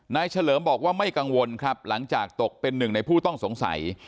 เฉลิมบอกว่าไม่กังวลครับหลังจากตกเป็นหนึ่งในผู้ต้องสงสัย